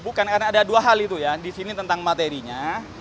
bukan karena ada dua hal itu ya di sini tentang materinya